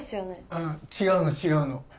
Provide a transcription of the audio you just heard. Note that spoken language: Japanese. あっ違うの違うの。